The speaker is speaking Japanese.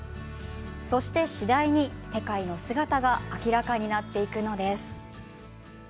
そして、次第に世界の姿が明らかになっていくのです。